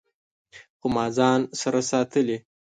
خو ما ځان سره ساتلي